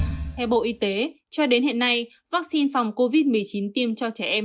theo bộ y tế cho đến hiện nay vaccine phòng covid một mươi chín tiêm cho trẻ em